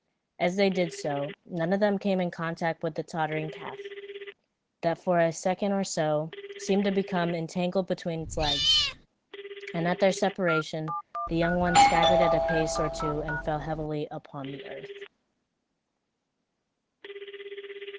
As they did so, one of them came in contact with the tottering calf, that for a second or so, seemed to become entangled between its legs; and at their separation, the young one staggered a pace or two and fell heavily upon the earth.